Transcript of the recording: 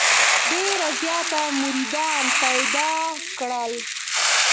ډېر زیات مریدان پیدا کړل.